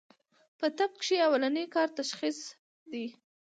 پۀ طب کښې اولنی کار تشخيص دی